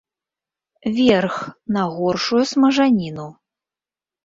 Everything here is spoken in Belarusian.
Верх, на горшую смажаніну.